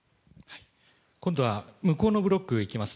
今度は向こうのブロックいきます。